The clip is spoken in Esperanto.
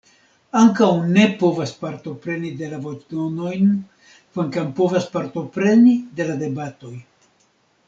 Ankaŭ ne povas partopreni de la voĉdonojn, kvankam povas partopreni de la debatoj.